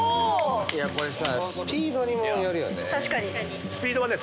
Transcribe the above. これさスピードにもよるよね。